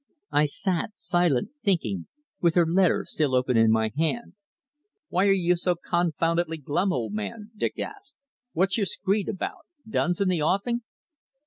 I sat silent, thinking, with her letter still open in my hand. "Why are you so confoundedly glum, old man?" Dick asked. "What's your screed about? Duns in the offing?"